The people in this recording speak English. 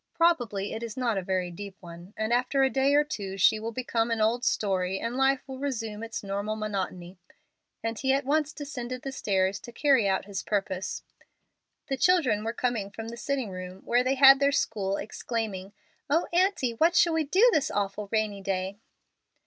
Probably it is not a very deep one, and after a day or two she will become an old story and life resume its normal monotony;" and he at once descended the stairs to carry out his purpose. The children were just coming from the sitting room where they had their school, exclaiming, "Oh, aunty, what shall we do this awful rainy day?"